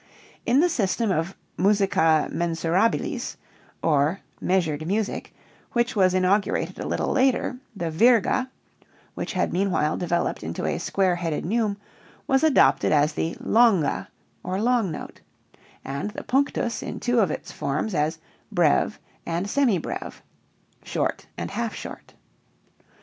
In the system of "musica mensurabilis" or measured music which was inaugurated a little later, the virga (which had meanwhile developed into a square headed neume) was adopted as the longa or long note, and the punctus in two of its forms as breve and semi breve (short and half short).